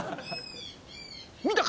見たか？